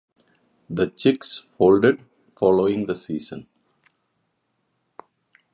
The Chicks folded following the season.